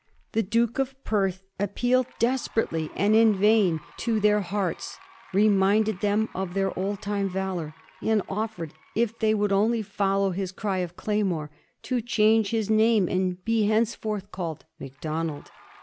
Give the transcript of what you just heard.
The Duke of Perth appealed desperately and in vain to their hearts, reminded them of their old time valor, and offered, if they would only follow his cry of Claymore, to change his name and be henceforward call ed Macdonald.